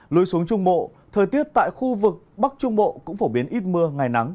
lưu xuống trung bộ thời tiết tại khu vực bắc trung bộ cũng phổ biến ít mưa ngày nắng